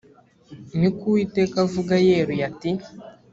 ni ko uwiteka avuga yeruye ati